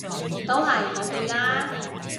都係嗰句啦